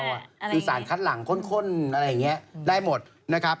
คือสารคัดหลังข้นอะไรอย่างนี้ได้หมดนะครับ